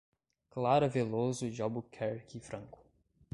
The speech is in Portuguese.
Clara Veloso de Albuquerque Franco